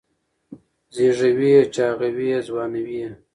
زېږوي یې چاغوي یې ځوانوي یې